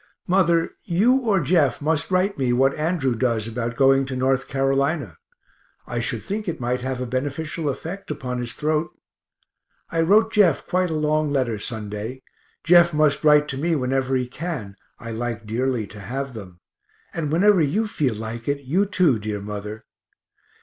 Mother, you or Jeff must write me what Andrew does about going to North Carolina. I should think it might have a beneficial effect upon his throat. I wrote Jeff quite a long letter Sunday. Jeff must write to me whenever he can, I like dearly to have them and whenever you feel like it you too, dear mother.